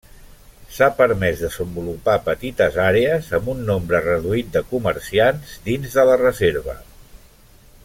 S'ha permès desenvolupar petites àrees amb un nombre reduït de comerciants dins de la reserva.